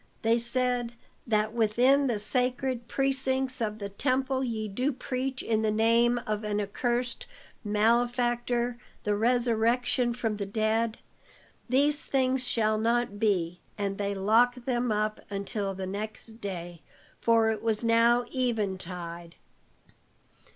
they said, "that within the sacred precincts of the temple ye do preach in the name of an accursed malefactor the resurrection from the dead. These things shall not be." And they locked them up until the next day, for it was now eventide.